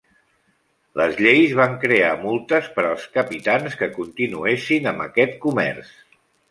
Les lleis van crear multes per als capitans que continuessin amb aquest comerç.